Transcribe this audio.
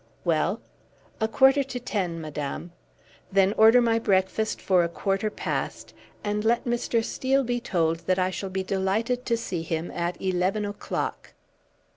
"Well?" "A quarter to ten, madame." "Then order my breakfast for a quarter past, and let Mr. Steele be told that I shall be delighted to see him at eleven o'clock."